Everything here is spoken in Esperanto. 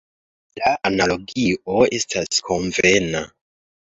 La analogio estas konvena.